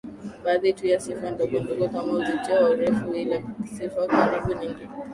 baaadhi tu ya sifa ndogo ndogo kama uzitio na urefu ila sifa karibu nyingi